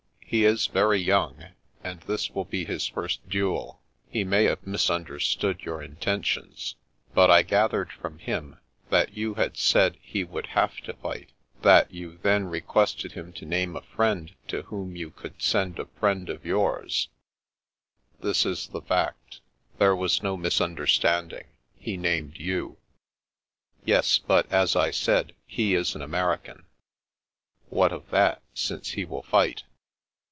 He is very young, and this will be his first duel. He may have misunderstood your intentions. But I gathered from him that you had 353 An American Custom 253 said he would have to fight; that you then re quested him to name a friend to whom you could send a friend of yours "" This is the fact. There was no misunderstand ing. He named you." " Yes; but as I said, he is an American/* " What of that, since he will fight?